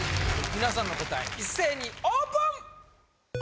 皆さんの答え一斉にオープン！